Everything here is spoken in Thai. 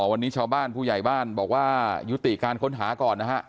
วันนี้ชาวบ้านผู้ใหญ่บ้านบอกว่ายุติการค้นหาก่อนนะฮะ